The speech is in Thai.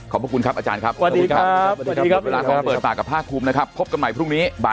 ขอบคุณครับอาจารย์ครับ